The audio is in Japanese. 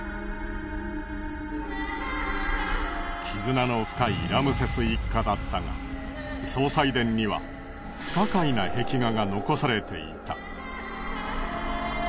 絆の深いラムセス一家だったが葬祭殿には不可解な壁画が残されていた。